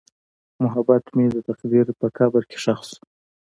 محبت مې د تقدیر په قبر کې ښخ شو.